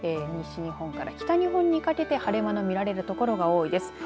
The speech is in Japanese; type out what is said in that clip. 西日本から北日本にかけて晴れ間の見られる所が多いです。